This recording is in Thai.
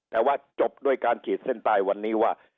แต่ว่าจบด้วยการขีดเส้นใต้วันนี้ว่า